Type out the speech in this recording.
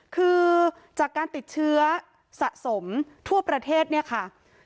คือจากการติดเชื้อสะสมทั่วประเทศเนี่ยค่ะ